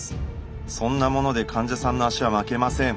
そんなもので患者さんの足は巻けません。